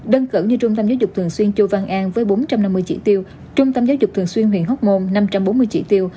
đơn cử như trung tâm giáo dục thường xuyên châu văn an với bốn trăm năm mươi chỉ tiêu trung tâm giáo dục thường xuyên huyện hóc môn năm trăm bốn mươi chỉ tiêu